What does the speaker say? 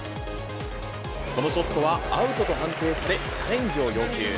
このショットはアウトと判定され、チャレンジを要求。